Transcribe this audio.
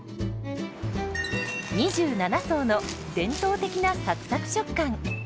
２７層の伝統的なサクサク食感。